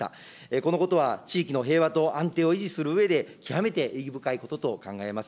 このことは、地域の平和と安定を維持するうえで、極めて意義深いことと考えます。